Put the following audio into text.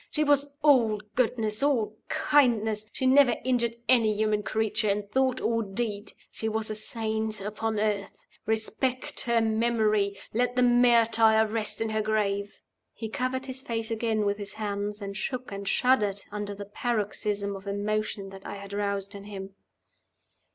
"She was all goodness, all kindness; she never injured any human creature in thought or deed. She was a saint upon earth. Respect her memory! Let the martyr rest in her grave!" He covered his face again with his hands, and shook and shuddered under the paroxysm of emotion that I had roused in him.